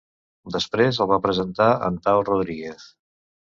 Després els va presentar en Tao Rodríguez.